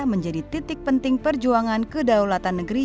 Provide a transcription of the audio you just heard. menjadi titik penting perjuangan kedaulatan negeri